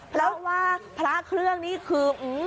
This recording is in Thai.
เพราะว่าพระเครื่องนี่คือ